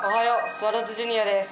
スワローズジュニアです。